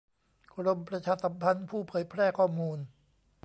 กรมประชาสัมพันธ์ ผู้เผยแพร่ข้อมูล